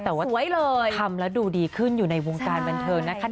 แต่ว่าทำแล้วดูดีขึ้นอยู่ในวงการบันเทิงนะคะ